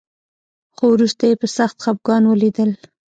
خو وروسته يې په سخت خپګان وليدل.